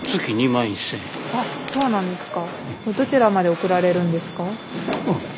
あっそうなんですか。